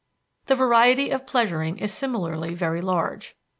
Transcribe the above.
The variety of pleasuring is similarly very large.